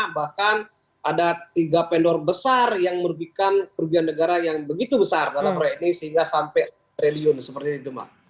bahkan ada tiga vendor besar yang merugikan kerugian negara yang begitu besar dalam proyek ini sehingga sampai triliun seperti itu mbak